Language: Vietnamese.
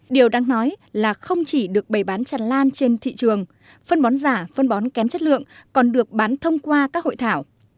điều đáng nói là không chỉ được bày bán tràn lan trên thị trường phân bón giả phân bón kém chất lượng còn được bán thông qua các hội thảo